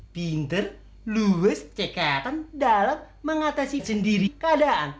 pinter luwes cekatan dalam mengatasi sendiri keadaan